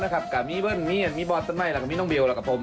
กับมีเบิ้ลย์มีมีบอล์ท็อนไนค์ดรมีน้องเบียลดรปม